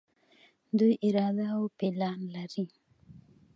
دوی اراده او پلان لري.